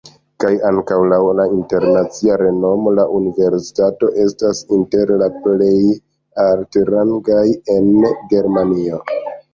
Kaj ankaŭ laŭ internacia renomo la universitato estas inter la plej altrangaj en Germanio.